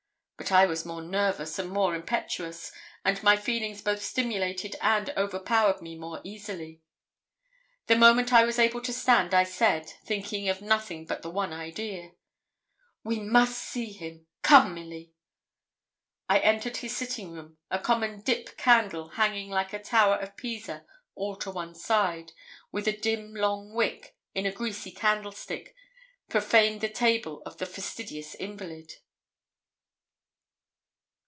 But I was more nervous and more impetuous, and my feelings both stimulated and overpowered me more easily. The moment I was able to stand I said thinking of nothing but the one idea 'We must see him come, Milly.' I entered his sitting room; a common 'dip' candle hanging like the tower of Pisa all to one side, with a dim, long wick, in a greasy candlestick, profaned the table of the fastidious invalid.